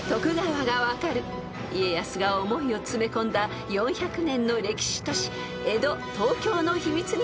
［家康が思いを詰め込んだ４００年の歴史都市江戸・東京の秘密に迫ります！］